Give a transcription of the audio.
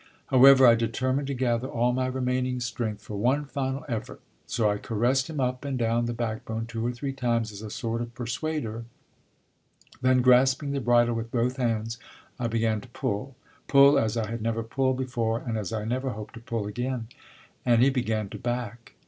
However, I determined to gather all my remaining strength for one final effort; so I caressed him up and down the backbone two or three times as a sort of persuader, then grasping the bridle with both hands, I began to pull, pull as I had never pulled before and as I never hope to pull again. And he began to back.